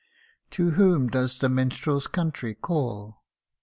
To whom does the minstrel's country call